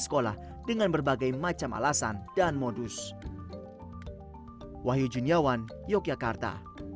sekolah dengan berbagai macam alasan dan modus wahyu juniawan yogyakarta